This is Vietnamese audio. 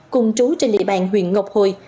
cùng trú trên địa bàn huyện ngọc hồi